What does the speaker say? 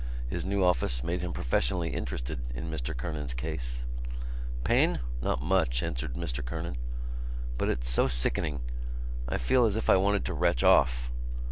His new office made him professionally interested in Mr Kernan's case. "Pain? Not much," answered Mr Kernan. "But it's so sickening. I feel as if I wanted to retch off."